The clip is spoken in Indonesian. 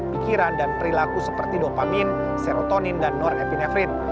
pikiran dan perilaku seperti dopamin serotonin dan norepinefrin